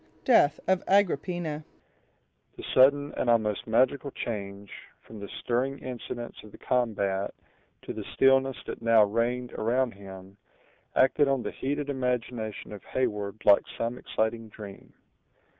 —Death of Agrippina The sudden and almost magical change, from the stirring incidents of the combat to the stillness that now reigned around him, acted on the heated imagination of Heyward like some exciting dream.